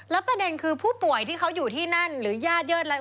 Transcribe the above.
ประเด็นคือผู้ป่วยที่เขาอยู่ที่นั่นหรือญาติเยิดอะไร